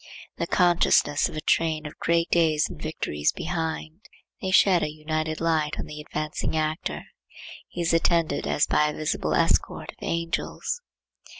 The consciousness of a train of great days and victories behind. They shed an united light on the advancing actor. He is attended as by a visible escort of angels.